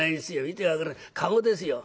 見て分から駕籠ですよ